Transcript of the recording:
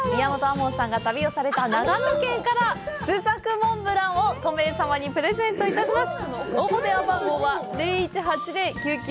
門さんが旅をされた長野県から朱雀モンブランを５名様にプレゼントします。